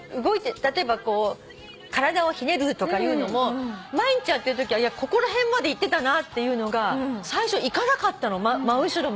例えば体をひねるとかいうのも毎日やってるときはここら辺までいってたなっていうのが最初いかなかったの真後ろまで。